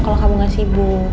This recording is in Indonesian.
kalau kamu gak sibuk